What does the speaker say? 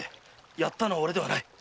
やったのは俺ではない。